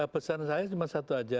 pesan saya cuma satu aja